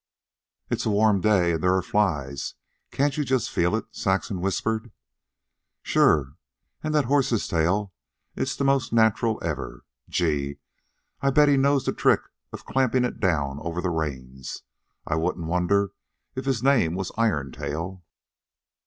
"It's a warm day and there are flies can't you just feel it?" Saxon whispered. "Sure. An' that horse's tail! It's the most natural ever. Gee! I bet he knows the trick of clampin' it down over the reins. I wouldn't wonder if his name was Iron Tail."